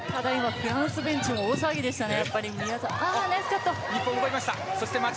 フランスベンチも大騒ぎでしたね。